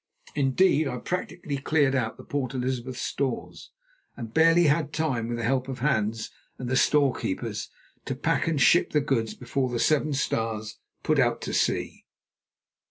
Indeed, I practically cleared out the Port Elizabeth stores, and barely had time, with the help of Hans and the storekeepers, to pack and ship the goods before the Seven Stars put out to sea.